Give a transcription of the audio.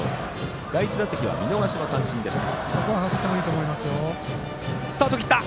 第１打席は見逃しの三振でした。